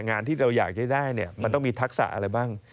งานที่เราอยากจะได้มันต้องมีทักษะอะไรบ้าง